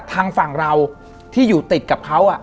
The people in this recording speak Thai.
ทางฝั่งเราที่อยู่ติดกับเขา